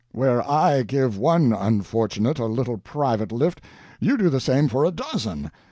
Where I give one unfortunate a little private lift, you do the same for a dozen.